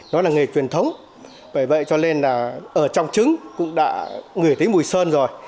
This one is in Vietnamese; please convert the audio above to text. nó là nghề truyền thống bởi vậy cho nên là ở trong trứng cũng đã ngửi thấy mùi sơn rồi